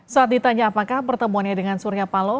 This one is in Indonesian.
saat ditanya apakah pertemuannya dengan surya paloh